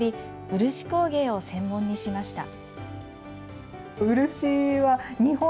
漆工芸を専門にしました。